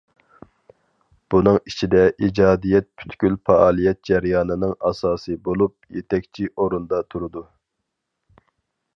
بۇنىڭ ئىچىدە ئىجادىيەت پۈتكۈل پائالىيەت جەريانىنىڭ ئاساسى بولۇپ، يېتەكچى ئورۇندا تۇرىدۇ.